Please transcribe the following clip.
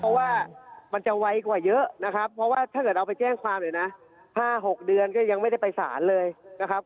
เพราะว่ามันจะไวกว่าเยอะนะครับเพราะว่าถ้าเกิดเราไปแจ้งความเลยนะ๕๖เดือนก็ยังไม่ได้ไปสารเลยนะครับ